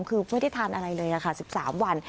คือไม่ได้ทานอะไรเลยค่ะ๑๓วัน